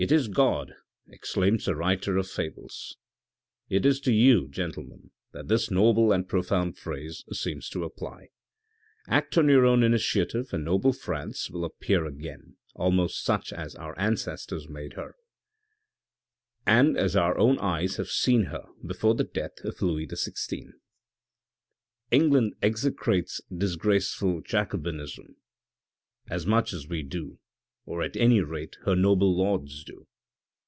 is god ' exclaims the writer of fables. It is to you, gentlemen, that this noble and profound phrase seems to apply. Act on your own initiative, and noble France will appear again, almost such as our ancestors made her, and as our own eyes have seen her before the death of Louis XVI. " England execrates disgraceful Jacobinism as much as we do, or at any rate her noble lords do.